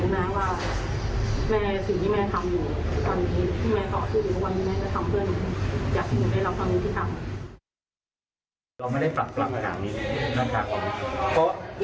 มันขอบความเห็นขนาดไหนนะครับคุณแม่คล่องถ้าต้องฟังฟิศคือน้องไม่เห็นขนาดนั้นนะครับ